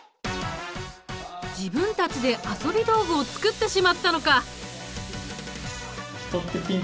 自分たちで遊び道具を作ってしまったのか！